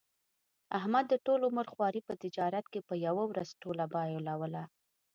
احمد د ټول عمر خواري په تجارت کې په یوه ورځ ټوله بایلوله.